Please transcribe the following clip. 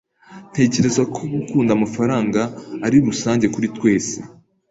Ntekereza ko gukunda amafaranga ari rusange kuri twese.